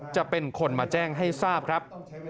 จะเป็นคนมาแจ้งให้ทราบครับ